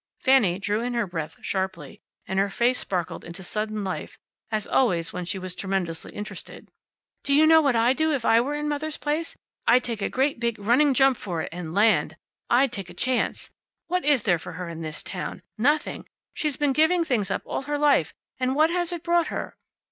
Fanny drew in her breath sharply, and her face sparkled into sudden life, as always when she was tremendously interested. "Do you know what I'd do if I were in Mother's place? I'd take a great, big running jump for it and land! I'd take a chance. What is there for her in this town? Nothing! She's been giving things up all her life, and what has it brought her?"